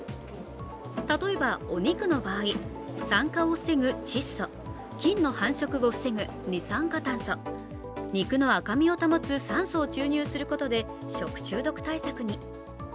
例えば、お肉の場合、酸化を防ぐ窒素、菌の繁殖を防ぐ二酸化炭素肉の赤身を保つ酸素を注入することで食中毒対策に。